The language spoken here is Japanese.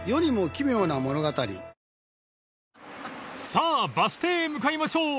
［さぁバス停へ向かいましょう］